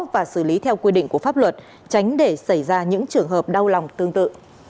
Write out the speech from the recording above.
và xử lý theo quy định của pháp luật tránh để xảy ra những trường hợp đau lòng tương tự